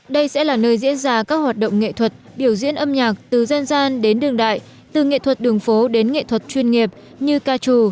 đây sẽ là nơi diễn ra các hoạt động nghệ thuật biểu diễn âm nhạc từ dân gian đến đường đại từ nghệ thuật đường phố đến nghệ thuật chuyên nghiệp như ca trù